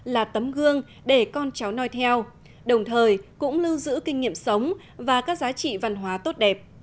là tấm gương để con cháu nói theo đồng thời cũng lưu giữ kinh nghiệm sống và các giá trị văn hóa tốt đẹp